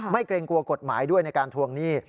เกรงกลัวกฎหมายด้วยในการทวงหนี้